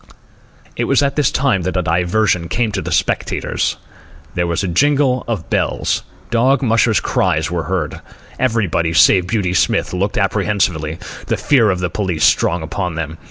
It was at this time that a diversion came to the spectators. There was a jingle of bells. Dog mushers' cries were heard. Everybody, save Beauty Smith, looked apprehensively, the fear of the police strong upon them.